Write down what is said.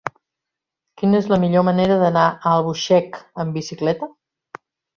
Quina és la millor manera d'anar a Albuixec amb bicicleta?